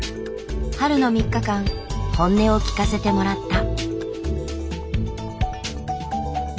春の３日間本音を聞かせてもらった。